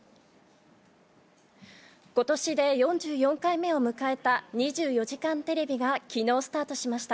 ことしで４４回目を迎えた２４時間テレビがきのうスタートしました。